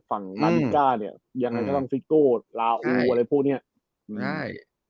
ฝั่งนาริก้าเนี่ยยังไงก็ต้องซิโก้ลาอูอะไรพวกเนี้ยใช่